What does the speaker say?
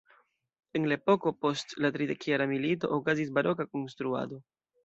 En la epoko post la tridekjara milito okazis baroka konstruado.